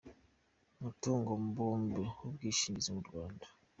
umutungo mbumbe w’ubwishingizi mu Rwanda.